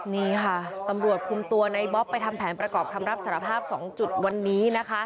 นี่ค่ะตำรวจคุมตัวในบ๊อบไปทำแผนประกอบคำรับสารภาพ๒จุดวันนี้นะคะ